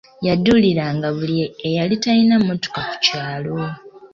Yaduuliranga buli eyali talina mmotoka ku kyalo.